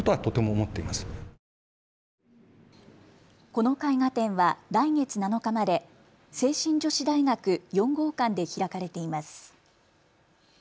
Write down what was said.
この絵画展は来月７日まで聖心女子大学４号館で開かれています。